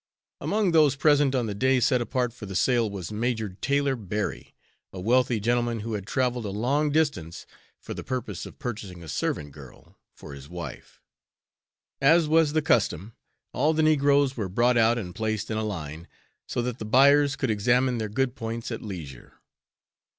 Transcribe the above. Among those present on the day set apart for the sale was Major Taylor Berry, a wealthy gentleman who had travelled a long distance for the purpose of purchasing a servant girl for his wife. As was the custom, all the negroes were brought out and placed in a line, so that the buyers could examine their good points at leisure.